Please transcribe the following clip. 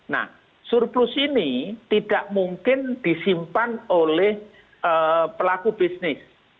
nah surplus ini tidak mungkin disimpan oleh pelaku bisnis